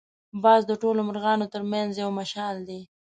باز د ټولو مرغانو تر منځ یو مشال دی